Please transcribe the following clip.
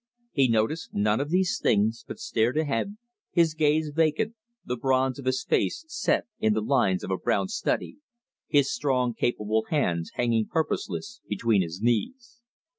He noticed none of these things, but stared ahead, his gaze vacant, the bronze of his face set in the lines of a brown study, his strong capable hands hanging purposeless between his knees.